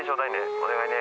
「お願いね」